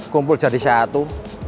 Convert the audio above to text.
kumpul jadi satu